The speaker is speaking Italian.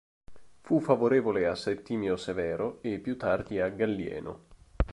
Fu favorevole a Settimio Severo e, più tardi, a Gallieno.